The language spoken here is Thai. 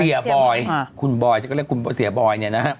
เสียบอยคุณบอยฉันก็เรียกคุณเสียบอยเนี่ยนะฮะ